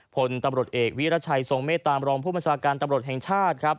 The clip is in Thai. ผลตำรวจเอกวิรัชัยทรงเมตตามรองผู้บัญชาการตำรวจแห่งชาติครับ